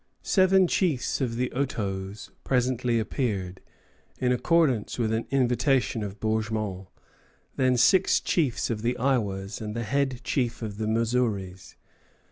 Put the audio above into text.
Seven chiefs of the Otoes presently appeared, in accordance with an invitation of Bourgmont; then six chiefs of the Iowas and the head chief of the Missouris.